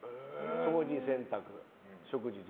掃除、洗濯、食事。